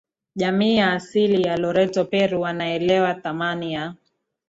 jamii ya asili ya Loreto Peru wanaelewa thamani ya